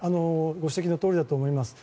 ご指摘のとおりだと思います。